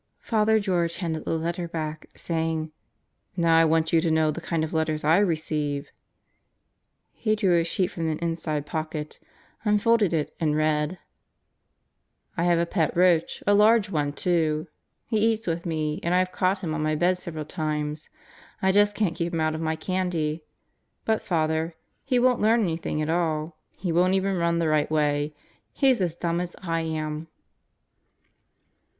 ... Father George handed the letter back, saying, "Now I want you to know the kind of letters I receive." He drew a sheet from an inside pocket, unfolded it and read: I have a pet roach a large one tool He eats with me, and I have caught him on my bed several times. I just can't keep him out of my candy. But, Father, he won't learn anything at all. He won't even run the right way. He's as dumb as I am.